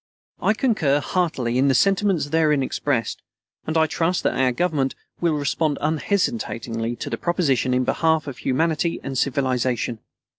I concur heartily in the sentiments therein expressed, and I trust that our Government will respond unhesitatingly to the proposition in behalf of humanity and civilization.